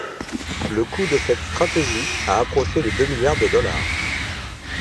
Le coût de cette stratégie a approché les deux milliards de dollars.